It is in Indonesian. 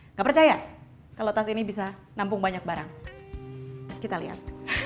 nggak percaya kalau tas ini bisa nampung banyak barang kita lihat